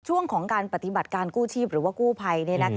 ช่วงของการปฏิบัติการกู้ชีพหรือว่ากู้ภัย